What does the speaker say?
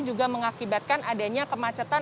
juga mengakibatkan adanya kemacetan